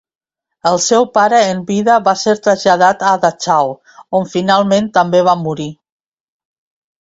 El seu pare en vida va ser traslladat a Dachau on finalment també va morir.